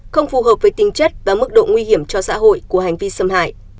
không phù hợp với tinh chất và mức độ nguy hiểm cho xã hội của hành vi xâm hại